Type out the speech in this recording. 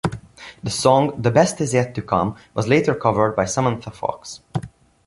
The song "The Best Is Yet To Come" was later covered by Samantha Fox.